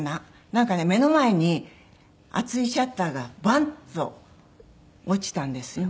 なんかね目の前に厚いシャッターがバンっと落ちたんですよ